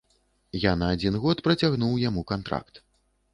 Я на адзін год працягнуў яму кантракт.